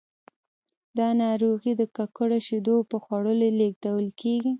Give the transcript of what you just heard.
دا ناروغي د ککړو شیدو په خوړلو لیږدول کېږي.